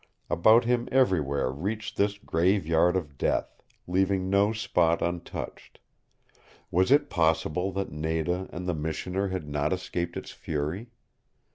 About him everywhere reached this graveyard of death, leaving no spot untouched. Was it possible that Nada and the Missioner had not escaped its fury?